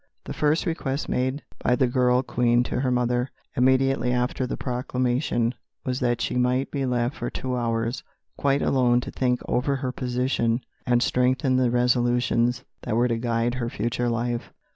The first request made by the girl Queen to her mother, immediately after the proclamation, was that she might be left for two hours quite alone to think over her position and strengthen the resolutions that were to guide her future life.